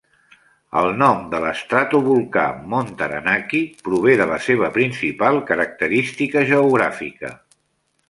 El nom de l'estratovolcà Mont Taranaki prové de la seva principal característica geogràfica.